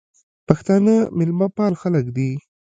پښتانه مېلمپال خلک دي.